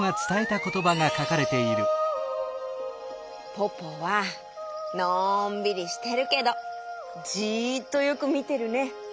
ポポはのんびりしてるけどじっとよくみてるね！